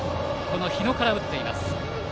日野から打っています。